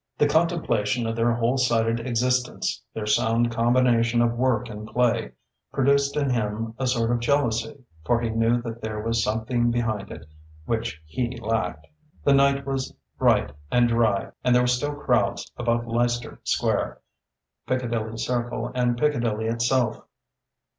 The contemplation of their whole sided existence, their sound combination of work and play, produced in him a sort of jealousy, for he knew that there was something behind it, which he lacked. The night was bright and dry and there were still crowds about Leicester Square, Piccadilly Circle and Piccadilly itself.